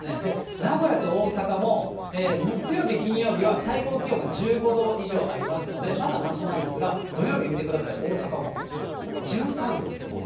名古屋と大阪も木曜日、金曜日は最高気温が１５度以上ありますので、まだましなんですが、土曜日、見てください、大阪も１３度と。